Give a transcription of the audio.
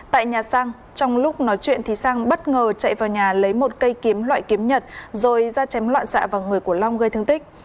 tại nhà sang trong lúc nói chuyện thì sang bất ngờ chạy vào nhà lấy một cây kiếm loại kiếm nhật rồi ra chém loạn xạ vào người của long gây thương tích